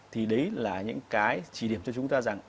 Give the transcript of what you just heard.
thì đấy là những cái chỉ điểm cho chúng ta rằng